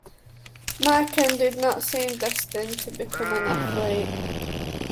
Mikan did not seem destined to become an athlete.